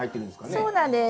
そうなんです。